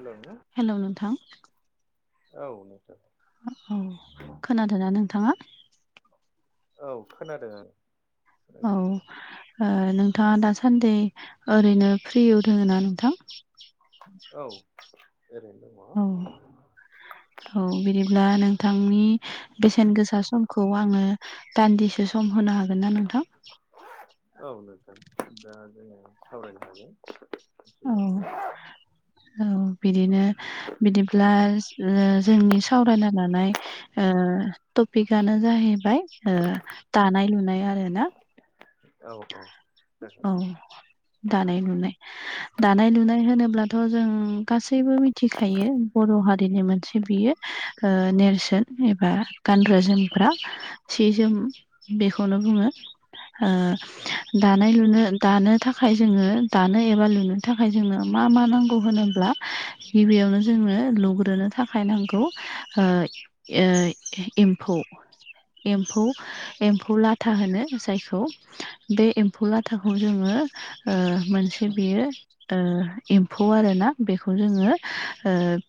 हेल हेल' नोंथां। औ नोंथां। औ खोनादोंना नोंथाङा? औ खोनादों आं। औ खोनागासिनो ओ नोंथाङा दासान्दि ओरैनो फ्रियाव दोङो ना नोंथां? औ ओरैनो औ दङ। औ बिदिब्ला नोंथांनि बेसेन गोसा सम खौ आंनो दान्दिसे सम होनो हागोन ना नोंथां? औ नोंथां दा जोङो सावरायनो हायो। औ औ बिदिनो। बिदिब्ला जोंनि सावरायनो लानाय ओ टपिकआनो जाहैबाय ओ दानाय लुनाय आरो ना। औ औ जागोन औ दानाय लुनाय। दानाय लुनाय होनोब्लाथ' जों गासैबो मिथिखायो बर' हारिनि मोनसे बियो ओ नेरसोन एबा गानग्रा जोमफ्रा सि जोम। बेखौनो बुङो। ओ औ दानाय लुनो दानो थाखाय जोङो दानो एबा लुनो थाखाय जोंनो मा मा नांगौ होनो ब्ला गिबियावनो जोंनो लुग्रोनो थाखाय नांगौ ओ ओ एम्फौ एम्फौ औ एम्फौ लाथा होनो जायखौ बे एम्फौ लाथाखौ जोङो मोनसे बेयो ओ एम्फौ आरो ना बेखौ जोङो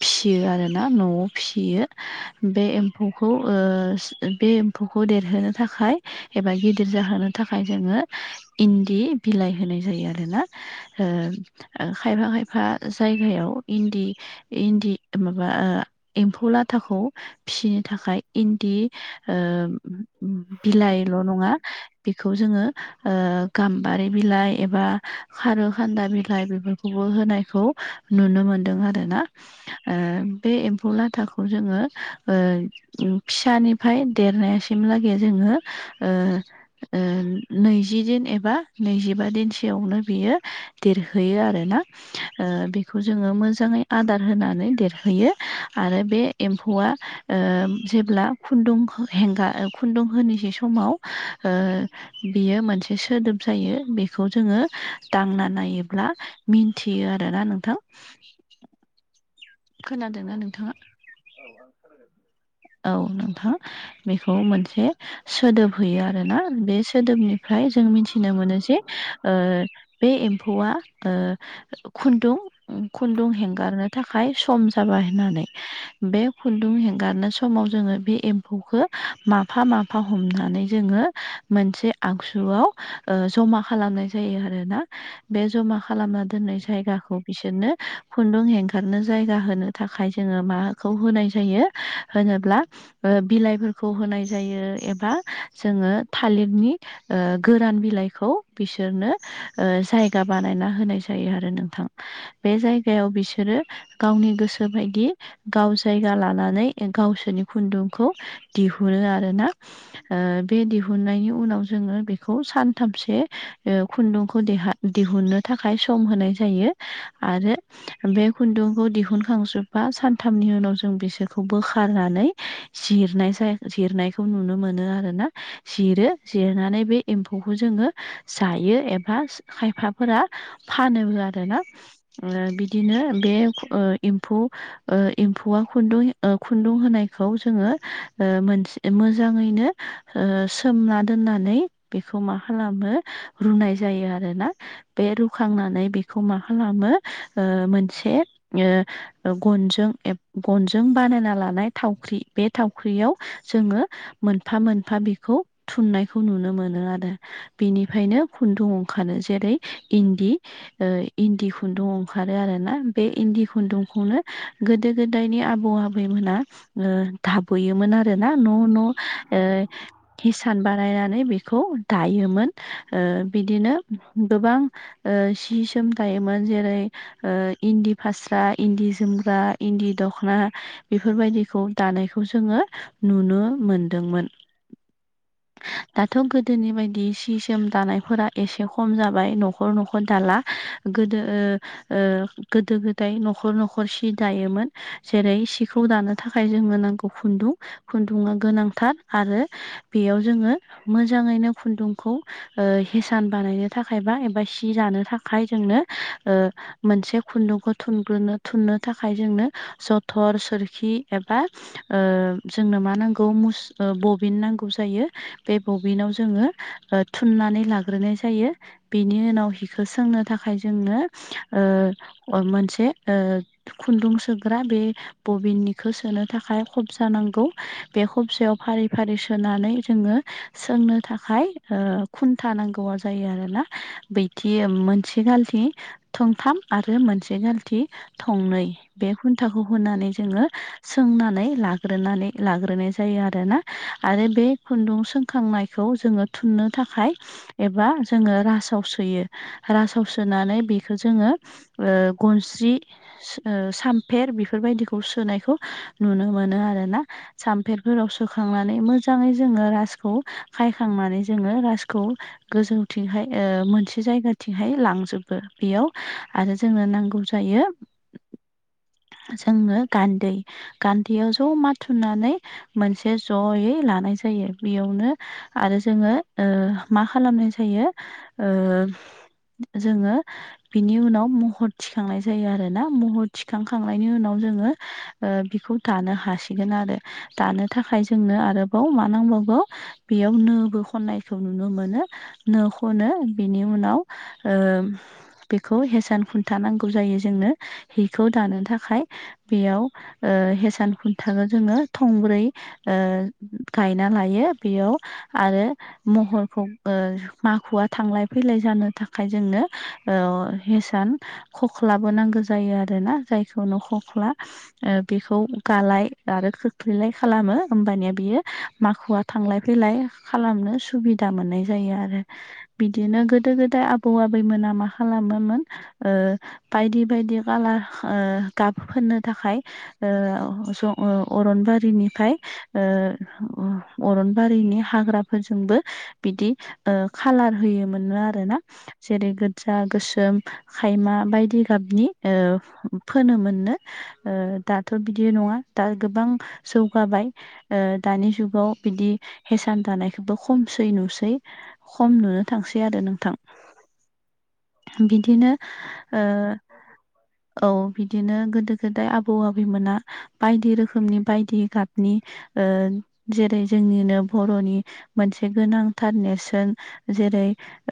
फियो आरो ना न'आव फिसियो। बे एम्फौखौ ओ बे एम्फौखौ देरहोनो थाखाय एबा गिदिर जाहोनो थाखाय जोङो इन्दि बिलाइ होनाय जायो आरोना। ओ खायफा खायफा जायगायाव इन्दि इन्दि माबा ओ एम्फौ लाथाखौ फिसिनो थाखाय इन्दि ओ बिलाइल' नङा। बेखौ जोङो ओ गाम्बारि बिलाइ एबा खारौखान्दा बिलाइ बेफोरखौ खौबो होनायखौ नुनो मोनदों आरो ना। ओ बे एम्फौ लाथाखौ जोङो ओ फिसानिफ्राय देरनायसिमलागै जोङो ओ ओम नैजिदिन एबा नैजिबा दिनसोयावनो बियो देरहैयो आरोना बेखौ जोङो मोजाङै आदार होनानै देरहोयो आरो बे एम्फौआ ओ जेब्ला खुन्दुं हेंगा खुन्दुं होनोसै समाव ओ बेयो मोनसे सोदोब जायो बेखौ जोङो दांना नायोब्ला मिथियो आरो ना नोंथां खोनादोंना औ नोंथाङा? औ आं खोनादों। औ नोंथां बेखौ मोनसे सोदोब होयो आरोना बे सोदोबनिफ्राय जों मिथिनो मोनो जे ओ बे एम्फौआ ओ खुन्दुं खुन्दुं हेंगारनो थाखाय सम जाबाय होननानै बे खुन्दुं हेंगारनो सम समाव जोङो बे एम्फौखौ माफा माफा हमनानै जोङो मोनसे आगसुआव जमा खालामनाय जायो आरोना बे जमा खालामना दोननाय जायगाखौ बिसोरनो खुन्दुं हेंगारनो जायगा होनो थाखाय जोङो माखौ होनाय जायो होनोब्ला बिलाइफोरखौ होनाय जायो एबा जोङो थालिरनि गोरान बिलाइखौ बिसोरनो जायगा बानायना होनाय जायो आरो नोंथां। बे जायगायाव बिसोरो गावनि गोसो बायदि गाव जायगा लानानै गावसोरनि खुन्दुंखौ दिहुरो आरो ना बे दिहुननायनि उनाव जोङो बेखौ सानथामसे खुन्दुंखौ देहा दिहुननो थाखाय सम होनाय जायो आरो बे खुन्दुंखौ दिहुनखांजोबा सानथामनि उनाव जों बिसोरखौ खौ बोखारनानै जिरनाय जिरनायखौ नुनो मोनो आरोना जिरो जिरनानै बे एम्फौखौ जोङो जायो एबा खायफाफोरा फानोबो आरोना। ओ बिदिनो बे ओ एम्फौ ओ एम्फौआ खुन्दुं खुन्दुं होनायखौ जोङो मोनसे म मोजाङैनो सोमना दोननानै बेखौ मा खालामो रुनाय जायो आरोना बे रुखांनानै बेखौ मा खालामो ओ मोनसे ओ गनजों गनजों बानायना लानो नाय थावख्रि बे थाव ख्रियाव जोङो मोनफा मोनफा बेखौ थुननायखौ नुनो मोनो आरो। बेनिफ्रायनो खुन्दुं ओंखारानो जेरै इन्दि इन्दि खुन्दुं ओंखारो आरो ना बे इन्दि खुन्दुंखौनो गोदो गोदायनि आब आबौ आबैमोना थाबोयोमोन आरो ना न' न' हिसान बानायनानै बेखौ दायोमोन बिदिनो गोबां सि सोम दायोमोन जेरै इन्दि फास्रा इन्दि जोमग्रा इन्दि दख'ना बेफोरबायदिखौ दानायखौ जोङो नुनो मोनदोंमोन। दाथ' गोदोनि बायदि सि जोम दानायफोरा एसे खम जाबाय न'खर न'खर दाला। गोदो ओ ओगोदो गोदाय न'खर न'खर सि दायोमोन। जेरै सिखौ दानो थाखाय जोंनो नांगौ खुन्दुं खुन्दुा गोनांथार आरो बेयाव जोङो मोजाङैनो खुन्दुंखौ हिसान बानायनो थाखायबा बाय सि जानो थाखाय जोंनो ओ मोनसे खुन्दुंखौ थुनग्रोनो थुननो थाखाय जोंनो ज थर सोरखि एबा ओ जोंनो मा नांगौ मुस बबिन नांगौ जायो बे बबिनाव जोङो थुननानै लाग्रोनाय जायो। बिनि उनाव हिखौ सोंनो थाखाय जोङो मोनसे ओ खुन्दुं सोग्रा बे बबिननिखौ सोनो थाखाय खबजा नांगौ बे खबजायाव फारि फारि सोनानै जोङो सोंनो थाखाय ओ खुन्था नांगौआ जायो आरोना ‌। बैथि मोनसे गालथिं थंथाम आरो मोनसे गालथि थंनै बे खुन्टाखौ होननानै जोङो सोंनानै लाग्रोनानै लाग्रोनाय जायो आरोना आरो बे खुन्दुं सोंखांनायखौ जोङो थुननो थाखाय एबा जोङो राजासाव सोयो। रासावसोनानै बेखौ जोङो ओ गनस्रि ओ सामफेर बेफोरबायदिखौ सोनायखौ नुनो मोनो आरो ना। साम्फेेरफोराव सोखांनानै मोजाङै जोङो रासखौ खायखांनानै जोङो रासखौ गोजौथिंहाय ओ मोनसे जायगाथिंहाय लांजोबो बेयाव आरो जोंनो नांगौ जायो जोंनो गान्दै। गान्दैयाव ज' माथुनानै मोनसे जयै लानाय जायो बेयावनो आरो जोङो ओ मा खालामनाय जायो ओ जोङो बिनि उनाव महर थिखांनाय जायो आरोना महर थिखां खांनायनि उनाव जोङो ओ बेखौ दानो हासिगोन आरो दानो थाखाय जोंनो आरोबाव मा नांबावगौ बेयाव नोबो खननायखौ नुनो मोनो नो खनो बेनि उनाव ओ बेखौ हेसान खुन्थाानांगौ जायो जोंनो हिखौ दानो था थाखाय बेयाव ओ हेसान खुन्थागो जोङो थंब्रै ओ गायना लायो बेयाव आरो महरखौ ओ माखुवा थांलाय फैलाय जानो थाखाय जोंनो ओ हेसान खख्लाबो नांगौ जायो आरोना जायखौ ननो खख्ला ओ बेखौ गालाय आरो खोख्लैलाय खालामो होमबानिया बियो माखुवा थांलाय फैलाय खालामनो सुबिदा मोननाय जायो आरो। बिदिनो गोदो गोदाय आबौ आबैमोना मा खालामोमोन ओ बायदि बायदि कालार ओ गाब फोननो थाखाय ओ ज अरनबारिनिफ्राय ओ अरनबारिनि हाग्राफोरजोंबो बिदि ओ खालार होयोमोननो आरो ना। जेरै गोजा गोसोम खायमा बायदि गाबनि ओ फोनोम मोननो ओ दाथ' बिदि नङा दा गोबां जौगाबाय ओ दानि जुगाव बिदि हेसान दानायखौबो खमसै नुसै खम नुनो थांसै आरो नोंथां ‌। बिदिनो ओ औ बिदिनो गोदो गोदाय आबौ आबैमोना बायदि रोखोमनि बायदि गाबनि ओ जेरै जोंनिनो बर'नि मोनसे गोनांथार नेरसोन जेरै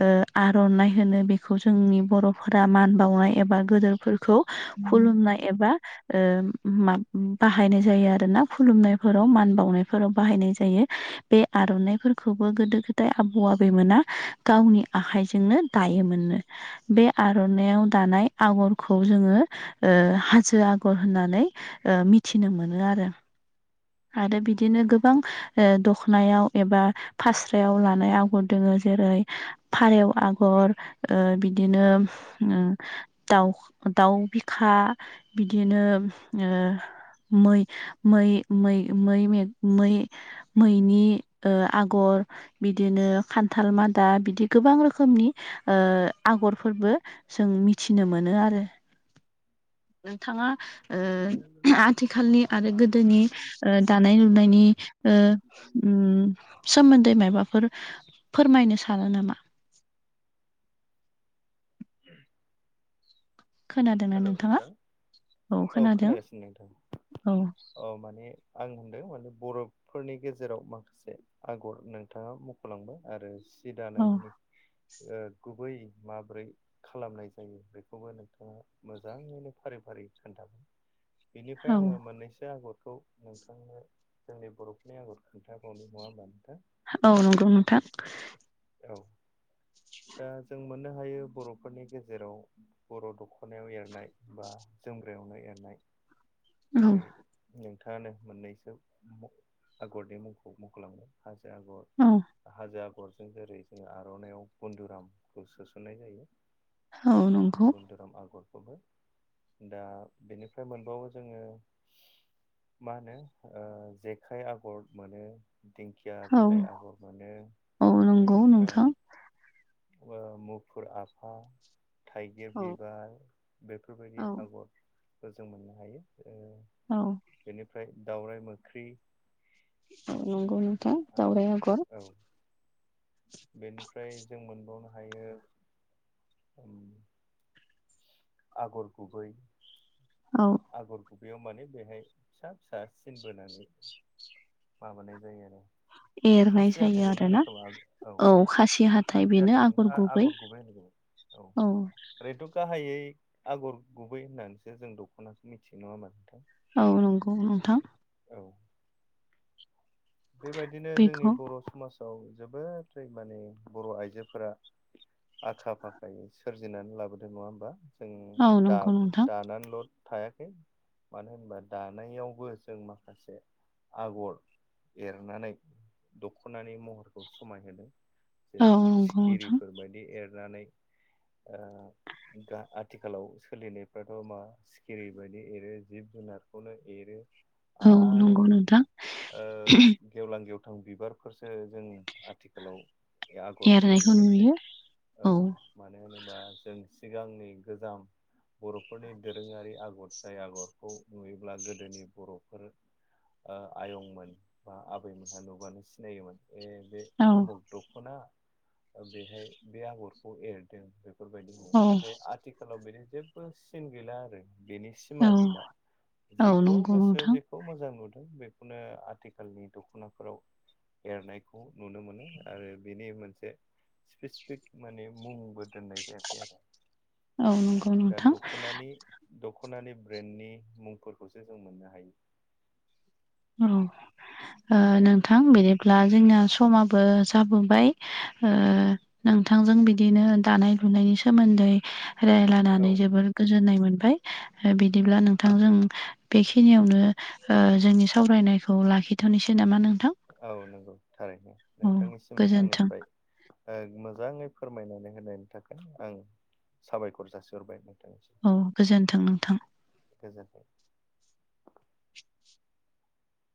ओ आर'नाइ होनो बेखौ जोंनि बर'फोरा मान बावनाय एबा गोदोरफोरखौ खुलुमना एबा ओ मा बाहायनाय जायो आरो ना खुलुमनायफोराव मान बावनायफोराव बाहायनाय जायो बे आर'नाइफोरखौबो गोदो गोदाय आबौ आबैमोना गावनि आखाइजोंनो दायोमोननो बे आर'नायाव दानाय आगरखौ जोङो ओ हाजो आगर होननानै ओ मिथिनो मोनो आरो। आरो बिदिनो गोबां ओ दखनायाव एबा फास्रायाव लानाय आगर दोङो जेरै फारौ आगर ओ बिदिनो उम दाउ दाउ बिखा बिदिनो ओ मै मै मै मै मे मै मैनि ओ आगर बिदिनो खान्थाल मादा बिदि गोबां रोखोमनि ओ आगरफोरबो जों मिथिनो मोनो आरो। नोंथाङा बेजों ओ लोगोसे आथिखालनि आं आरो गोदोनि आगरफोरनि दानाय लुनायनि ओ ओम सोमोन्दै माबाफोर फोरमायनो सानो नामा? उ खोनादोंना हेलौ नोंथाङा नोंथां, औ खोनागासिनो नोंथां। औ औ माने आं होनदों माने बर' फोरनि गेजेराव माखासे आगर नोंथाङा मुख'लांबाय आरो सि औ दानायनि ओ गुबै माब्रै खालामनाय जायो बेखौबो नोंथाङा मोजाङैनो फारि फारि खोन्थागोन बेनिफ्राय औ आङो मोननैसो आगरखौ नोंथांनो जोंनि बर'फोरनि आगर खोन्थााबावनाय नङा होमबा नोंथां? औ नंगौ नोंथां। औ। दा जों मोननो हायो बर'फोरनि गेजेराव बर' दख' नायाव एरनाय बा जोमग्रायावनो एरनाय औ जेरै नोंथाङानो मोननैसो आगरनि मुंखौ मखलांबाय हाजो आगर औ हाजो आगरजों जेरै जोङो आर'नायाव बन्दुरामखौ सोसननाय जायो औ नंगौ बुन्दुराम आगरखौबो। दा बेनिफ्राय मोनबावो जोङो मा होनो ओ जेखाइ आगर मोनो दिंखिया औ बिलाइ आगर मोनो, औ नंगौ बेनिफ्राय नोंथां ओ मुफुर आफा थाइगिर औ बिबार बेफोरबायदि औ आगरखौ जों मोननो हायो। ओ औ। बेनिफ्राय दाउराय मोख्रि औ नंगौ नोंथां औ दावराय आगर। बेनिफ्राय जों मोनबावनो हायो ओम आगर गुबै औ। आगर गुबैयाव माने बेहाय फिसा फिसा सिन बोनानै माबानाय जायो आरो बे एरनाय खासि जायो हाथाइखौनो होनो आरोना खोमा आ औ खासि हाथाय खासि बेनो हाथाइखौनो आगर गुबै आगरखौबो होनो खोमा। औ। ओरैथ' गाहाइयै आगर गुबै होननानैसो जों दख'नाखौ मिथियो नङा होनबा नोंथां? औ नंगौ नोंथां। औ। बेबायदिनो जोंनि बेखौ बर' समाजाव जोबोोरै माने बर' आइजोफोरा आखा फाखायै सोरजिनानै लाबोदों नङा होमबा, जों औ नंगौ दाबो नोंथां दानानैल' थायाखै मानो होनबा दानायावबो जों माखासे आगर एरनानै दख'नानि महरखौ समायहोदों औ जेरै नंगौ नोंथां सिखिरिफोरबायायदि एरनानै ओ गा आं आथिखालाव सोलिनायफ्राथ' मा सिखिरि बायदि एरो जिब जुनारखौनो एरो। औ आरो नंगौ नोंथां। ओ गेवलां गेवथां बिबारफोरसो जों आथिखालाव आगरखौ एरनायखौ नुनो मोनसै नुयो औ। मानो होनोबा जों सिगांनि गोजाम बर'फोरनि दोरोङारि आगर जाय आगरखौ नुयोब्ला गोदोनि बर'फोर ओ आयंमोन बा आबैमोनहा नुबानो सिनायोमोन। ए बे औ उमुग दख'ना बेहाय बे आगरखौ एरदों। बेफोरबायदि औ नाथाय आथिखालाव बिदि जेबो सिन गैला आरो। बेनि सिमा औ गैला औ जेखौ नंगौ गोसो नोंथां जेखौ मोजां नुदों बे बेखनो आथिखालनि दख'नाफोराव एरनायखौ नुनो मोनो आरो बेनि मोनसे स्पेसिफिक माने मुंबो दोननाय जायाखै आरो। औ नंगौ दा नोंथां दख'नानि दख'नानि ब्रेन्डनि मुंफोरखौसो जों मोननो हायो। औ ओ औ नोंथां थां बिदिब्ला जोंना समाबो जाबोबाय ओ नोंथांजों बिदिनो दानाय लुनायनि सोमोन्दै औ रायलायनानै जोबोद। गोजोननाय मोनबाय बिदिब्ला नोंथांजों बेखिनियावनो ओ जोंनि सावरायनायखौ लाखिथ'नोसै नामा? नोंथां। औ नंगौ थारैनो औ नोंथांनिसिम गोजोन्थों आंनिफ्राय ओ मोजाङै फोरमायनानै होनायनि थाखाय आं साबायखर जासिहरबाय नोंथांनिसिम। औ गोजोन्थों नोंथां। गोजोन्थों।